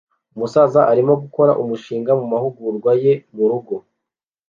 Umusaza arimo gukora umushinga mumahugurwa ye murugo